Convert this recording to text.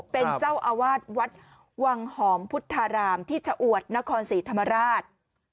เป็นเจ้าอาวาสวัดวังหอมพุทธารามที่ชะอวดนครศรีธรรมราช